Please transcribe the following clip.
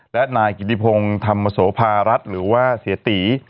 และนายกิติพงศ์ธรรมโสภารัฐหรือว่าเสียตี